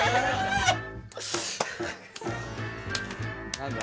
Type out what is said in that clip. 何だ？